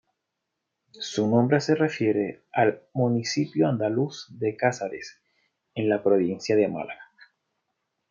Su nombre se refiere al municipio andaluz de Casares, en la provincia de Málaga.